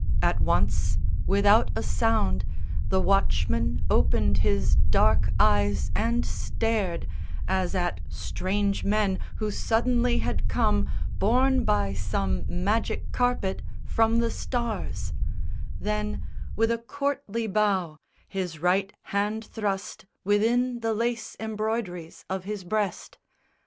At once, without a sound, The watchman opened his dark eyes and stared As at strange men who suddenly had come, Borne by some magic carpet, from the stars; Then, with a courtly bow, his right hand thrust Within the lace embroideries of his breast.